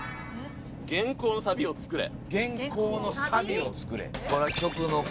「原稿のサビを作れ」